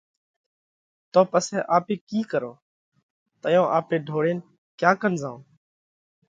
تو پسئہ آپي ڪِي ڪرونه؟ تئيون آپي ڍوڙينَ ڪيا ڪنَ زائونه؟